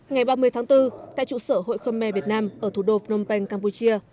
ngày ba mươi tháng bốn tại trụ sở hội khơ me việt nam ở thủ đô phnom penh campuchia